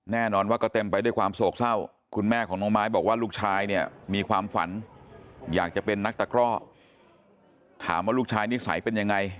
แน่นอนก็เต็มไปความโศกเศร้าคุณแม่ของน้องไม้บอกว่าลูกชายนี่